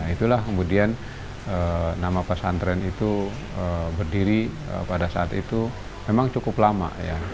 itulah kemudian nama pesantren itu berdiri pada saat itu memang cukup lama